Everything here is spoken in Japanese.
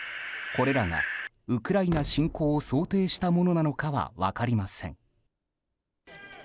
これらがウクライナ侵攻を想定したものなのかは分かりません。